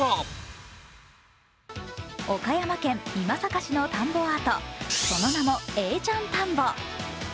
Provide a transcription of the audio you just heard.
岡山県美作市の田んぼアート、その名も永ちゃん田んぼ。